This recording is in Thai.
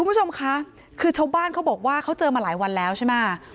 คุณผู้ชมคะคือชาวบ้านเขาบอกว่าเขาเจอมาหลายวันแล้วใช่ไหม